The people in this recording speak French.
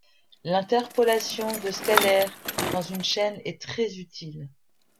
L'interpolation de scalaire dans une chaîne est très utile.